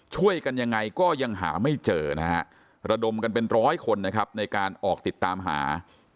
ช่วยกันยังไงก็ยังหาไม่เจอนะฮะระดมกันเป็นร้อยคนนะครับในการออกติดตามหา